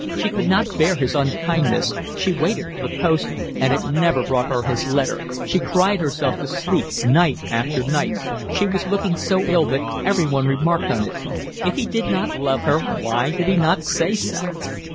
She could not bear his unkindness, she waited for the post, and it never brought her his letter, she cried herself to sleep night after night, she was looking so ill that everyone remarked on it: if he did not love her why did he not say so?